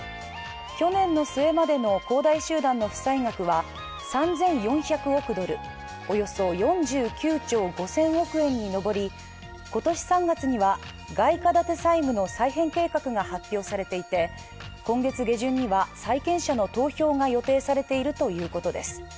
去年の末までの恒大集団の負債額は３４００億ドル、およそ４９兆５０００億円に上り今年３月には外貨建て債務の再編計画が発表されていて、今月下旬には、債権者の投票が予定されているということです。